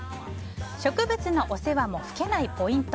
植物のお世話も老けないポイント。